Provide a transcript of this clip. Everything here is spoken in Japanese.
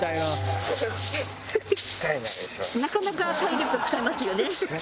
なかなか体力使いますよね。